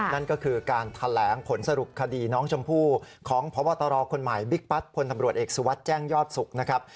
นั่นก็คือการแถลงผลสรุปคดีน้องชมพู่ของพบตรคนใหม่บิ๊กปัดพลตำรวจเอกสุวัสดิ์แจ้งยอดสุขนะครับ